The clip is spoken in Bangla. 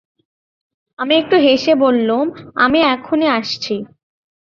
আমি একটু হেসে বললুম, আমি এখনই আসছি।